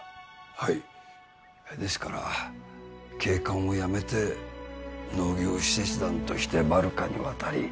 はいですから警官を辞めて農業使節団としてバルカに渡り